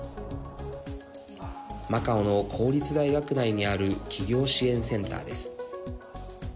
マカオの公立大学内にある起業支援センターです。